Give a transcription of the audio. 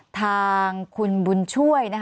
ทางคุณบุญช่วย